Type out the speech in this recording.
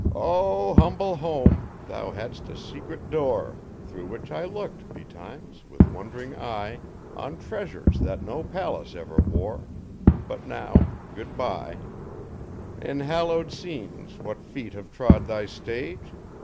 'O humble home! Thou hadst a secret door Thro' which I looked, betimes, with wondering eye On treasures that no palace ever wore But now goodbye! In hallowed scenes what feet have trod thy stage!